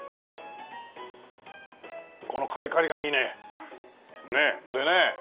このカリカリがいいねねえこれね。